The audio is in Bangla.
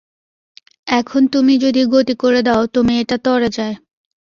এখন তুমি যদি গতি করে দাও তো মেয়েটা তরে যায়।